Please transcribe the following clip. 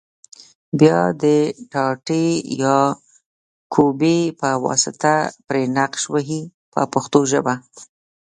بیا د ټاټې یا کوبې په واسطه پرې نقش وهي په پښتو ژبه.